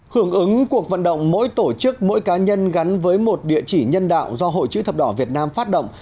hưởng ứng cuộc vận động mỗi tổ chức mỗi cá nhân gắn với một địa chỉ nhân đạo do hội chữ thập đỏ việt nam phát động